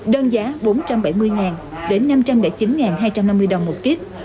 đơn giá bốn trăm bảy mươi đến năm trăm linh chín hai trăm năm mươi đồng một kiếp